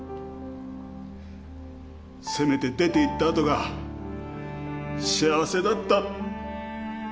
せめて出ていった後が幸せだった。